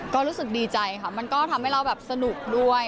ก็รู้สึกดีใจค่ะมันก็ทำให้เราแบบสนุกด้วย